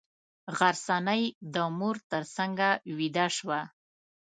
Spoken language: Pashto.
غرڅنۍ د مور تر څنګه ویده شوه.